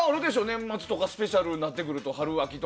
年末とかスペシャルになってくると。